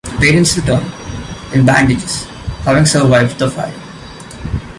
The parents return, in bandages, having survived the fire.